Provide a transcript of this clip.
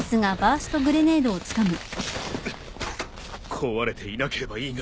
壊れていなければいいが。